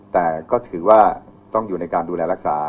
แต่ก็ถือว่าต้องอยู่ในการดูแลรักษา